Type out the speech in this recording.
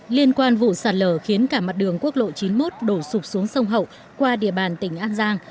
liên quan vụ sạt lở khiến cả mặt đường quốc lộ chín mươi một đổ sụp xuống sông hậu qua địa bàn tỉnh an giang